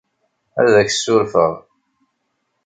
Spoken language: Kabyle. Ad ak-ssurfeɣ.